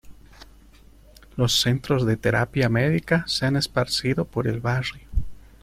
Los centros de terapia médica se han esparcido por el barrio.